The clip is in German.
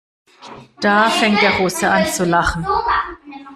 Da fängt der Russe an zu lachen.